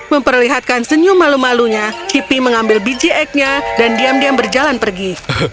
memperlihatkan senyum malu malunya cp mengambil biji eknya dan diam diam berjalan pergi